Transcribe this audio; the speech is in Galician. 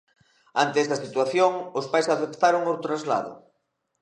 Ante esa situación os pais aceptaron o traslado.